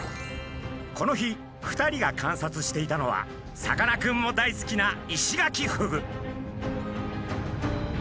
この日２人が観察していたのはさかなクンも大好きなイシガキフグ。